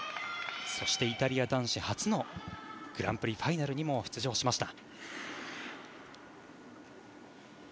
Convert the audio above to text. そしてイタリア男子初のグランプリファイナルにも出場しました。